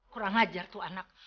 kurang ajar tuh anak